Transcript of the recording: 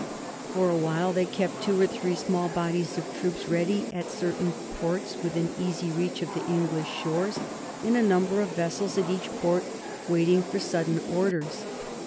For awhile they kept two or three small bodies of troops ready at certain ports within easy reach of the English shores, and a number of vessels at each port waiting for sudden orders.